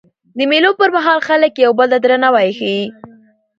د مېلو پر مهال خلک یو بل ته درناوی ښيي.